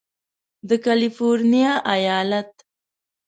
د کالفرنیا ایالت